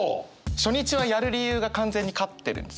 初日はやる理由が完全に勝ってるんですよね。